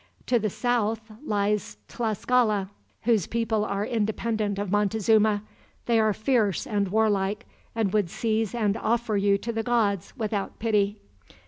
"To the south lies Tlascala, whose people are independent of Montezuma. They are fierce and warlike, and would seize and offer you to the gods, without pity."